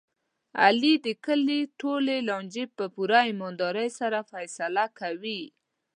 علي د کلي ټولې لانجې په پوره ایماندارۍ سره فیصله کوي.